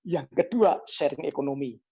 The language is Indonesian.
yang kedua sharing ekonomi